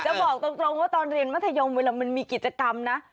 บอกตรงว่าตอนเรียนมัธยมเวลามันมีกิจกรรมนะ